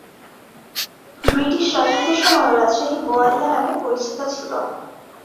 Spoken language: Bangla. ব্রিটিশ রাজত্বের সময়েও রাজশাহী "বোয়ালিয়া" নামে পরিচিত ছিল।